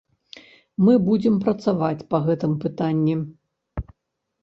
Мы будзем працаваць па гэтым пытанні.